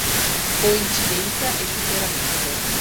Coincidenza e superamento.